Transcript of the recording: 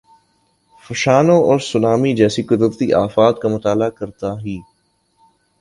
فشانوں اور سونامی جیسی قدرتی آفات کا مطالعہ کرتا ہی۔